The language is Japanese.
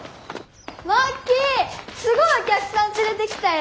マッキーすごいお客さん連れてきたよ。